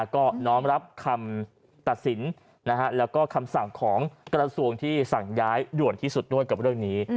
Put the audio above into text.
ก็น้อมรับคำตัดสินแล้วก็คำสั่งของกระทรวงที่สั่งย้ายด่วนที่สุดด้วยกับเรื่องนี้